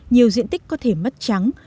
nhiều diện tích có thể mất trắng